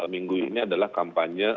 minggu ini adalah kampanye